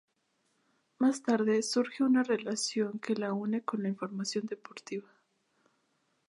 Más tarde, surge una relación que la une con la información deportiva.